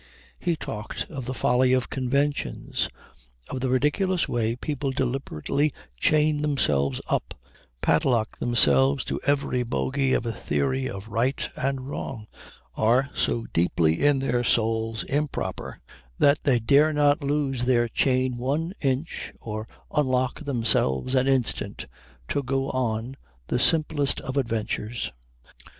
He talked of the folly of conventions, of the ridiculous way people deliberately chain themselves up, padlock themselves to some bogey of a theory of right and wrong, are so deeply in their souls improper that they dare not loose their chain one inch or unlock themselves an instant to go on the simplest of adventures.